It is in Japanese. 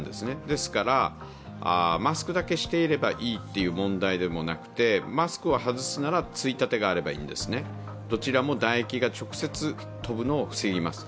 ですから、マスクだけしていればいいっていう問題でもなくてマスクを外すならついたてがあればいいんです。どちらも唾液が直接飛ぶのを防ぎます。